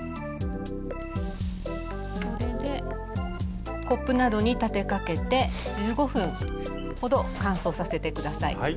それでコップなどに立てかけて１５分ほど乾燥させて下さい。